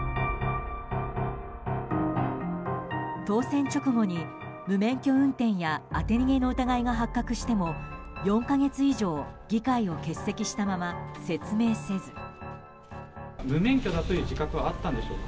当選直後に、無免許運転や当て逃げの疑いが発覚しても４か月以上議会を欠席したまま説明せず。